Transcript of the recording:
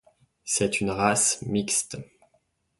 C'est une race mixte.